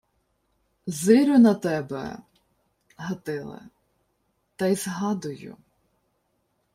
— Зирю на тебе, Гатиле, та й згадую...